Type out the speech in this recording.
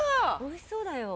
美味しそうだよ。